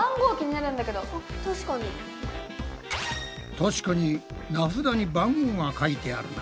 確かに名札に番号が書いてあるな。